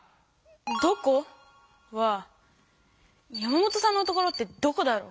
「どこ？」は山本さんの所ってどこだろう？